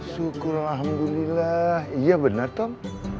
syukur alhamdulillah iya benar tom